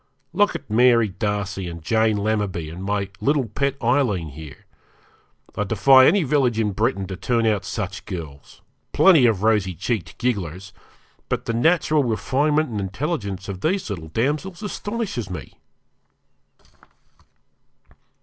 Look at Mary Darcy and Jane Lammerby, and my little pet Aileen here. I defy any village in Britain to turn out such girls plenty of rosy cheeked gigglers but the natural refinement and intelligence of these little damsels astonishes me.'